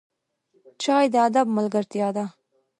چای د ادب ملګرتیا ده